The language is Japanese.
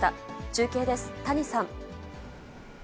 中継です、谷さん。